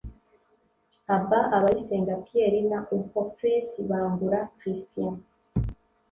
Abba (Abayisenga Pierre) na Unko Cris (Bangura Christian)